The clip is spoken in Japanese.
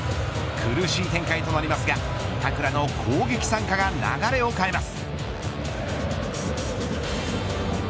苦しい展開となりますが板倉の攻撃参加が流れを変えます。